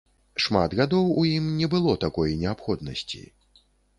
Шмат гадоў у ім не было такой неабходнасці.